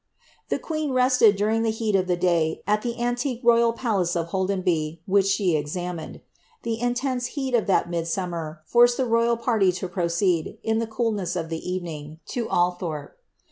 The i^ueen resled, during the heat of the day, at ihe antique rcyal palace of Iloldenby, whidi she examined.' The intense heat of li.ii midsummer forced the royal party lo proceed, in the cool of the evenii.;. lo Aiihorpe.